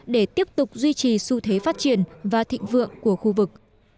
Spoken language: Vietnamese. để tiếp tục duy trì xu thế phát triển và thịnh vượng của khu vực